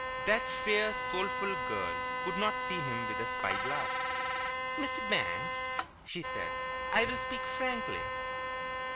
That fair, soulful girl could not see him with a spy glass. "Mr. Banks," she said, "I will speak frankly."